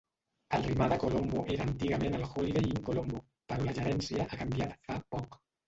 El Ramada Colombo era antigament el Holiday Inn Colombo, però la gerència ha canviat fa poc.